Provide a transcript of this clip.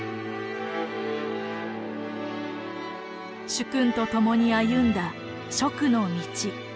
主君と共に歩んだ「蜀の道」。